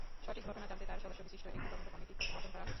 সঠিক ঘটনা জানতে চার সদস্যবিশিষ্ট একটি তদন্ত কমিটি গঠন করা হয়েছে।